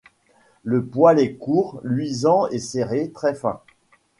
Le poil est court, luisant et serré, très fin.